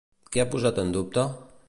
Què ha posat en dubte?